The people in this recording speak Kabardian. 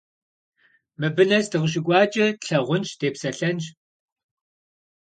Мыбы нэс дыкъыщыкӀуакӀэ тлъагъунщ, депсэлъэнщ.